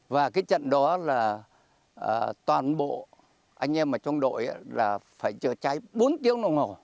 và cái trận đó là toàn bộ anh em ở trong đội là phải chữa cháy bốn tiếng đồng hồ